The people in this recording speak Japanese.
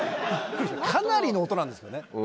かなりの音なんですけどね。